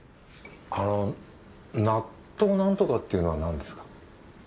あの納豆なんとかっていうのは何ですか？